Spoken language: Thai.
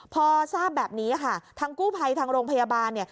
พอทราบแบบนี้ค่ะทั้งกู้ภัยทั้งโรงพยาบาลเนี่ย